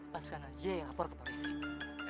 pas kan aja ya lapor ke polisi